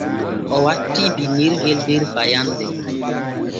O wattii binnirgel der fayande.